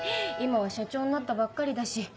今は社長になったばっかりだし